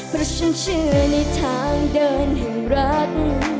เพราะฉันเชื่อในทางเดินแห่งรัฐ